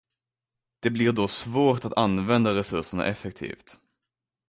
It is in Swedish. Det blir då svårt att använda resurserna effektivt.